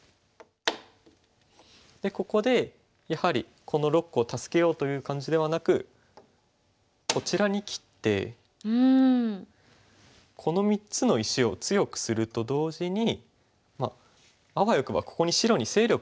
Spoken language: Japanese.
でここでやはりこの６個を助けようという感じではなくこちらに切ってこの３つの石を強くすると同時にあわよくばここに白に勢力を築ければということが